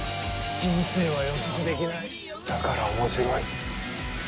人生は予測できないだから面白い。